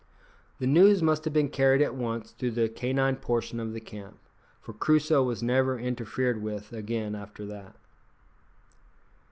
The news must have been carried at once through the canine portion of the camp, for Crusoe was never interfered with again after that.